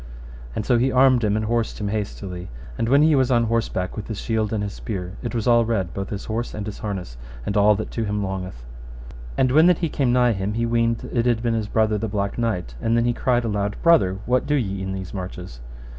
And so he armed him and horsed him hastily. And when he was on horseback with his shield and his spear, it was all red, both his horse and his harness, and all that to him longeth. And when that he came nigh him he weened it had been his brother the Black Knight; and then he cried aloud, Brother, what do ye in these marches?